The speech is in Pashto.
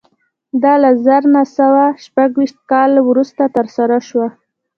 دا له زر نه سوه شپږ ویشت کال وروسته ترسره شوه